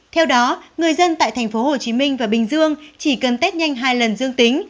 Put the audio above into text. theo đó người dân tại tp hcm và bình dương chỉ cần test nhanh hai lần dương tính